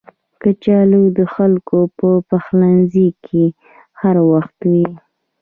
کچالو د خلکو په پخلنځي کې هر وخت وي